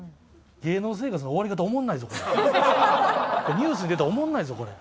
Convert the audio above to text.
ニュースに出たらおもんないぞこれ。